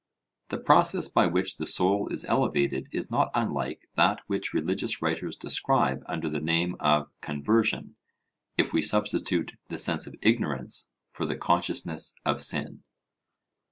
The process by which the soul is elevated is not unlike that which religious writers describe under the name of 'conversion,' if we substitute the sense of ignorance for the consciousness of sin.